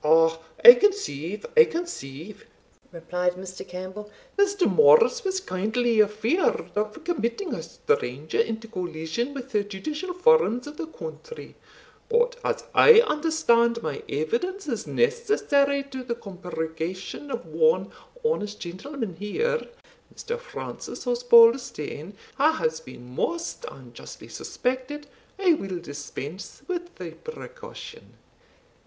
"Ah! I conceive I conceive," replied Mr. Campbell; "Mr. Morris was kindly afeared of committing a stranger into collision wi' the judicial forms of the country; but as I understand my evidence is necessary to the compurgation of one honest gentleman here, Mr. Francis Osbaldistone, wha has been most unjustly suspected, I will dispense with the precaution.